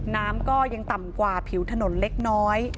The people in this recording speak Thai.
น้ำก็ยังต่ำกว่าผิวถนนเล็กน้อย